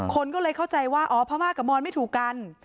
คนก็เลยเข้าใจว่าอ๋อพม่ากับมอนไม่ถูกกัน